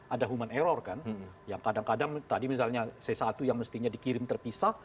ada human error kan yang kadang kadang tadi misalnya c satu yang mestinya dikirim terpisah